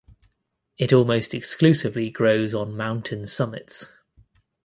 It almost exclusively grows on mountain summits.